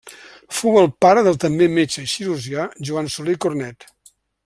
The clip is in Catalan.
Fou el pare del també metge i cirurgià Joan Soler i Cornet.